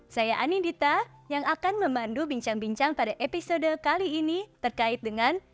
saya anindita yang akan memandu bincang bincang pada episode kali ini terkait dengan